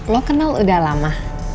lo kenal udah lama